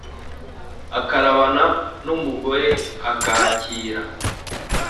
akarabana n úmugor ákaakiira